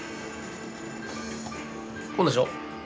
こうでしょ？